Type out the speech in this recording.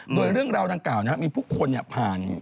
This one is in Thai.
โดยเรื่องราวดังกล่าวมีผู้คนผ่าน